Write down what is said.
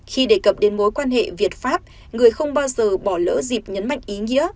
khi đề cập đến mối quan hệ việt pháp người không bao giờ bỏ lỡ dịp nhấn mạnh ý nghĩa